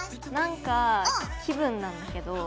なんか気分なんだけど。